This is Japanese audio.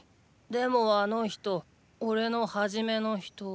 でもあの人オレのはじめの人。